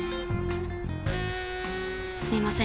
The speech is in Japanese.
すみません